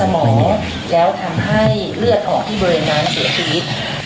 หมอแล้วทำให้เลือดออกที่บริเวณนั้นเสียชีวิต